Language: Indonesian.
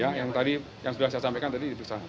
ya yang tadi yang sudah saya sampaikan tadi diperiksa hari ini